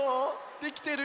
できてる？